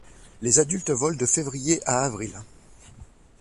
Les adultes volent de février à avril.